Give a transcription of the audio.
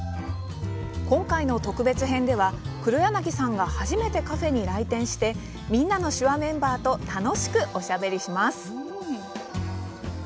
今回の特別編では、黒柳さんが初めてカフェに来店して「みんなの手話」メンバーと楽しくおしゃべりします。